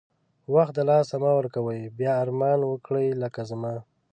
وخت د لاسه مه ورکوی بیا ارمان وکړی لکه زما